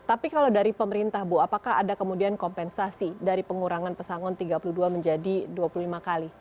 tapi kalau dari pemerintah bu apakah ada kemudian kompensasi dari pengurangan pesangon tiga puluh dua menjadi dua puluh lima kali